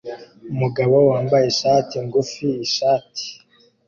Umugabo wambaye ishati ngufi-ishati